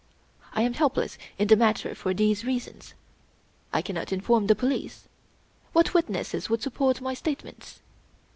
I am helpless in the matter for these reasons, I cannot inform the police. What witnesses would support my statements?